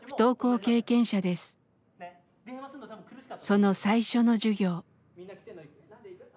その最初の授業。